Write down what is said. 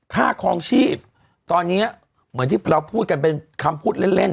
ครองชีพตอนนี้เหมือนที่เราพูดกันเป็นคำพูดเล่นเล่น